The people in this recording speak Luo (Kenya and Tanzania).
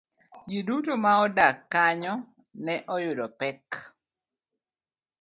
Ji duto ma odak kanyo ne oyudo pek.